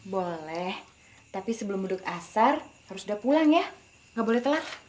boleh tapi sebelum duduk asar harus udah pulang ya nggak boleh telat